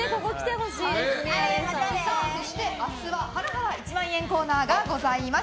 そして明日はハラハラ１万円コーナーがあります。